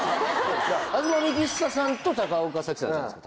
東幹久さんと高岡早紀さんじゃないですか？